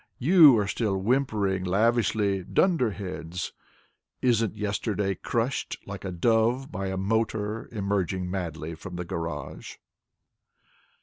You are still whimpering lavishly. Dunderheads ! Isn't yesterday crushed, like a dove By a motor Emerging madly from the garage?